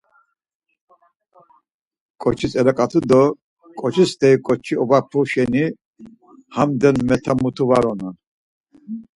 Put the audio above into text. Ǩoçis elaǩatu do ǩoçi steri ǩoçi ovapu şeni hamden met̆a mutu var unon.